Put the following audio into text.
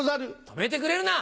止めてくれるな！